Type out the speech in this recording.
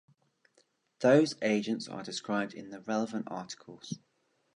Those agents are described in the relevant articles.